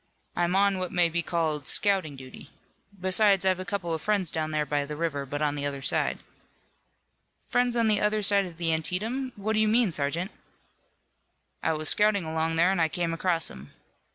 "I'm on what may be called scouting duty. Besides, I've a couple of friends down there by the river, but on the other side." "Friends on the other side of the Antietam. What do you mean, sergeant?" "I was scouting along there and I came across 'em.